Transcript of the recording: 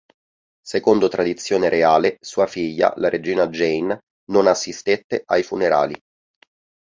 Secondo tradizione reale, sua figlia la regina Jane non assistette ai funerali.